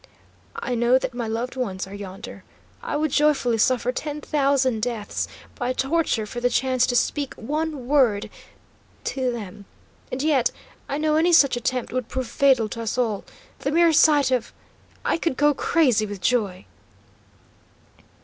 "I know that my loved ones are yonder. I would joyfully suffer ten thousand deaths by torture for the chance to speak one word to to them. And yet I know any such attempt would prove fatal to us all. The mere sight of I would go crazy with joy!"